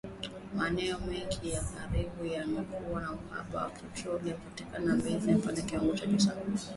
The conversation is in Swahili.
Maeneo mengi hivi karibuni yamekumbwa na uhaba wa petroli na yanapopatikana, bei zimepanda kwa viwango vikubwa sana.